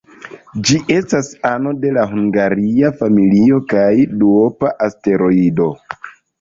Ĝi estas ano de la Hungaria familio kaj duopa asteroido.